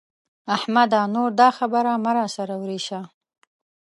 احمده! نور دا خبره مه را سره ورېشه.